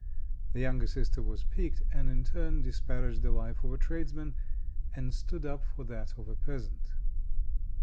The younger sister was piqued, and in turn disparaged the life of a tradesman, and stood up for that of a peasant.